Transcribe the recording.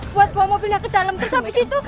buat bawa mobilnya ke dalem terus abis itu